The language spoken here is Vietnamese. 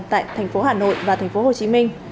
tại thành phố hà nội và thành phố hồ chí minh